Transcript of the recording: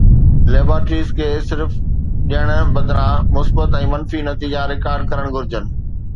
laboratories کي صرف ڏيڻ بدران مثبت ۽ منفي نتيجا رڪارڊ ڪرڻ گهرجن